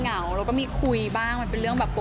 ออกงานอีเวนท์ครั้งแรกไปรับรางวัลเกี่ยวกับลูกทุ่ง